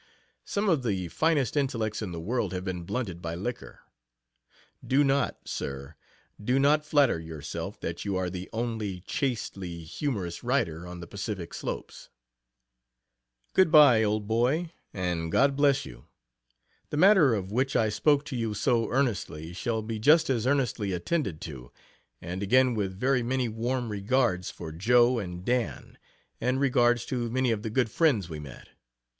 Some of the finest intellects in the world have been blunted by liquor. Do not, sir do not flatter yourself that you are the only chastely humorous writer onto the Pacific slopes. Good bye, old boy and God bless you! The matter of which I spoke to you so earnestly shall be just as earnestly attended to and again with very many warm regards for Jo. and Dan., and regards to many of the good friends we met.